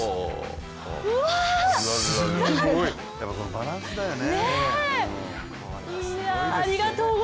バランスだよね。